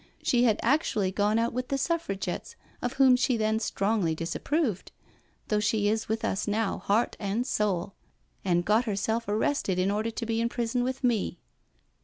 She had actually gone out with the Suffragettes, of whom she then strongly disapproved — though she is with us now heart and soul — and got herself arrested in order to be in prison with me."